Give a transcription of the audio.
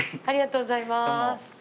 ありがとうございます。